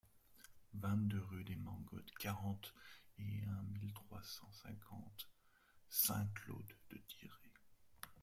vingt-deux rue des Mangottes, quarante et un mille trois cent cinquante Saint-Claude-de-Diray